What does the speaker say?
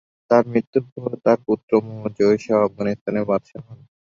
তার মৃত্যুর পর তার পুত্র মুহাম্মদ জহির শাহ আফগানিস্তানের বাদশাহ হন।